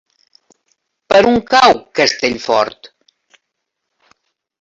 Per on cau Castellfort?